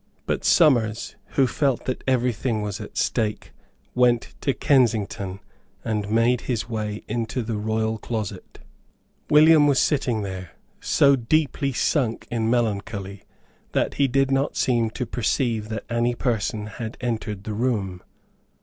But Somers, who felt that every thing was at stake, went to Kensington, and made his way into the royal closet. William was sitting there, so deeply sunk in melancholy that he did not seem to perceive that any person had entered the room.